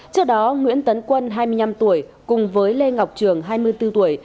trước đó nguyễn tấn quân hai mươi năm tuổi cùng với lê ngọc trường hai mươi bốn tuổi